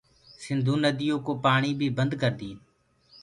سنڌو نديو ڪو پآڻي بي بند ڪردين